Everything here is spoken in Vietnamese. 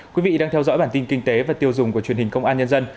quý vị đang theo dõi bản tin kinh tế và tiêu dùng của truyền hình công an nhân dân